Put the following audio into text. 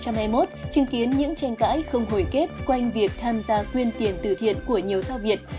năm hai nghìn hai mươi một chứng kiến những tranh cãi không hồi kết quanh việc tham gia quyên tiền từ thiện của nhiều sao việt